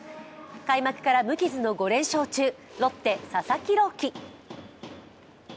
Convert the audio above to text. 開幕から無傷の５連勝中、ロッテ・佐々木朗希。